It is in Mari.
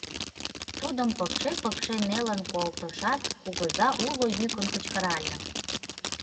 Тудым пыкше-пыкше нелын колтышат, кугыза уло йӱкын кычкырале: